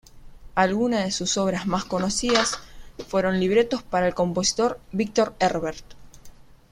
Algunas de sus obras más conocidas fueron libretos para el compositor Victor Herbert.